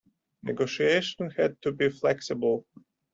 Negotiations had to be flexible.